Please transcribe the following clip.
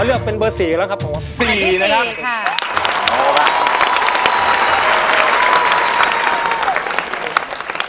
อ๋อเลือกเป็นเบอร์๔แล้วครับผม